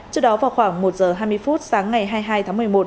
trước đó vào khoảng một giờ hai mươi phút sáng ngày hai mươi hai tháng một mươi một